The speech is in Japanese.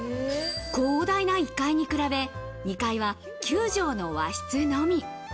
広大な１階に比べ、２階は９畳の和室のみ。